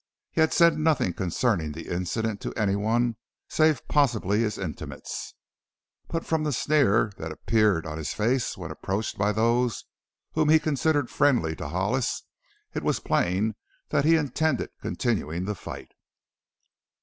He had said nothing concerning the incident to anyone save possibly his intimates, but from the sneer that appeared on his face when approached by those whom he considered friendly to Hollis it was plain that he intended continuing the fight.